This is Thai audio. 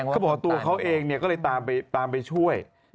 เขาบอกตัวเขาเองก็เลยตามไปช่วย